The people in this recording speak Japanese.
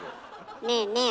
ねえねえ